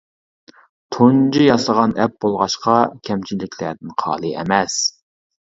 تۇنجى ياسىغان ئەپ بولغاچقا كەمچىللىكلەردىن خالى ئەمەس.